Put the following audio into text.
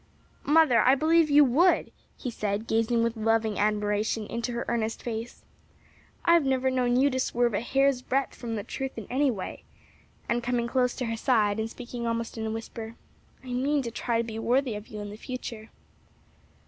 "Mother, I believe you would!" he said, gazing with loving admiration into her earnest face. "I've never known you to swerve a hair's breadth from the truth in any way," and coming close to her side and speaking almost in a whisper, "I mean to try to be worthy of you in the future."